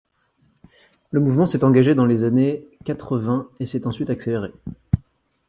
Le mouvement s’est engagé dans les années quatre-vingts et s’est ensuite accéléré.